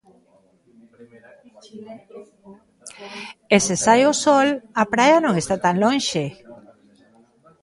E se sae o sol, a praia non está tan lonxe.